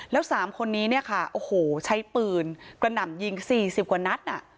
แล้ว๓คนนี้ค่ะใช้ปืนกระหน่ำยิง๔๐กว่านัด